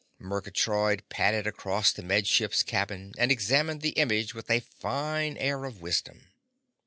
Murgatroyd padded across the Med Ship's cabin and examined the image with a fine air of wisdom.